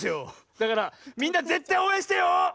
だからみんなぜったいおうえんしてよ！